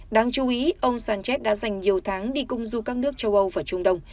đáng chú ý ông sánchez đã dành nhiều tháng đi công du các nước châu âu và trung đông